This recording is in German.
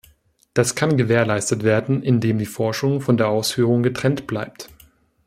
Das kann gewährleistet werden, indem die Forschung von der Ausführung getrennt bleibt.